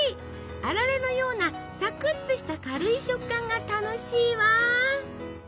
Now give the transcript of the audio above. あられのようなサクッとした軽い食感が楽しいわ！